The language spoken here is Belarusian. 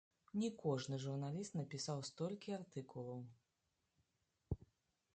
Не кожны журналіст напісаў столькі артыкулаў!